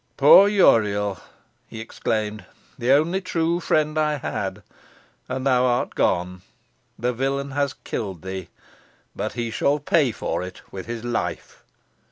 "Poor Uriel!" he exclaimed; "the only true friend I had. And thou art gone! The villain has killed thee, but he shall pay for it with his life."